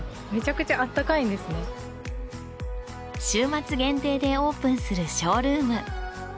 週末限定でオープンするショールーム。